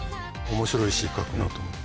面白い詞書くなと思って。